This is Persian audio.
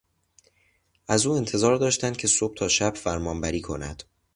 از او انتظار داشتند که صبح تا شب فرمانبری کند.